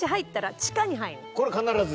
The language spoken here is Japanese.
これは必ず？